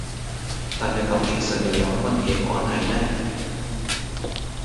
但係咁其實又有乜嘢關係呢?